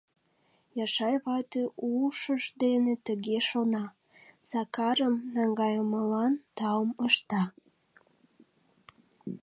Яшай вате ушыж дене тыге шона, Сакарым наҥгайымылан таум ышта...